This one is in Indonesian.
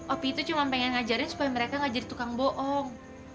opi itu cuma pengen ngajarin supaya mereka gak jadi tukang bohong